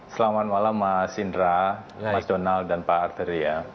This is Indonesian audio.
selamat malam mas indra mas donald dan pak arteria